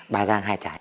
ba giang hai trái